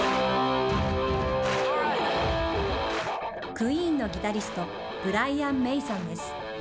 クイーンのギタリスト、ブライアン・メイさんです。